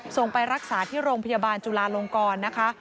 ไปรักษาที่โรงพยาบาลจุลาลงกรนะคะ